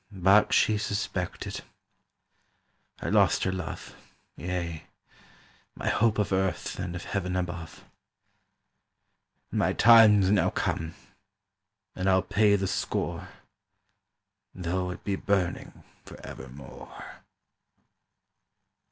"But she suspected. I lost her love, Yea, my hope of earth, and of Heaven above; And my time's now come, and I'll pay the score, Though it be burning for evermore."